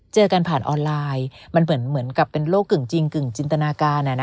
เจอกันผ่านออนไลน์มันเหมือนกับเป็นโรคกึ่งจริงกึ่งจินตนาการ